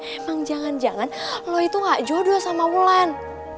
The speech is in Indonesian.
emang jangan jangan lo itu gak jodoh sama wulan